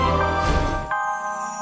aku akan membawanya ke sini